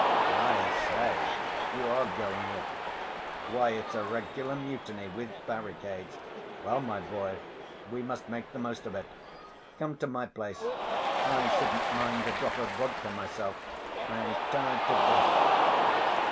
"I say! You are going it! Why, it's a regular mutiny, with barricades! Well, my boy, we must make the most of it. Come to my place.... I shouldn't mind a drop of vodka myself, I am tired to death.